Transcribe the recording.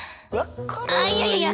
あいやいやいや！